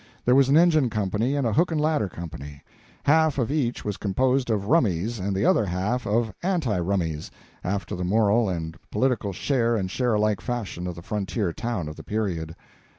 There was an engine company and a hook and ladder company. Half of each was composed of rummies and the other half of anti rummies, after the moral and political share and share alike fashion of the frontier town of the period.